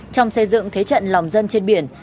trong xây dựng thế trận lòng dân trên biển